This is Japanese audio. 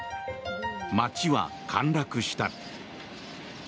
街は陥落した。